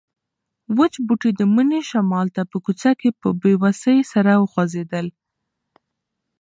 وچ بوټي د مني شمال ته په کوڅه کې په بې وسۍ سره خوځېدل.